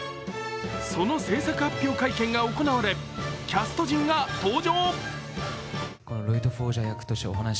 その制作発表会見が行われ、キャスト陣が登場。